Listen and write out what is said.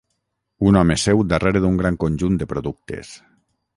Un home seu darrere d'un gran conjunt de productes.